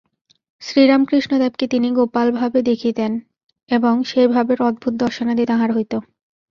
শ্রীরামকৃষ্ণদেবকে তিনি গোপালভাবে দেখিতেন এবং সেইভাবের অদ্ভুত দর্শনাদি তাঁহার হইত।